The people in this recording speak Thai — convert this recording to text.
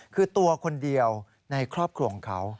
คือตัวคนเดียวในครอบครัวของเขา